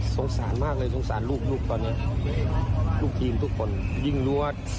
สงสารมากเลยสงสารลูกลูกตอนนี้ลูกทีมทุกคนยิ่งรู้ว่า